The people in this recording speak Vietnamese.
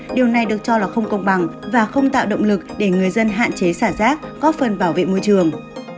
điều này được cho là không công bằng và không tạo động lực để người dân hạn chế xả rác góp phần bảo vệ môi trường